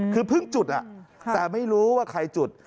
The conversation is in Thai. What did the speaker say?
คือเพิ่งจุดแต่ไม่รู้ว่าใครจุด